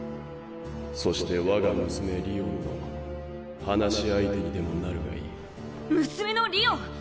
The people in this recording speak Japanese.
そして我が娘りおんの話し相手にでもなるがいい・娘のりおん？